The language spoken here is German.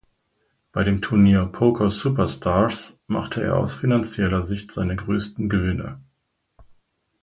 Bei dem Turnier "Poker Superstars" machte er aus finanzieller Sicht seine größten Gewinne.